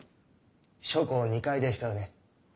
書庫２階でしたよね。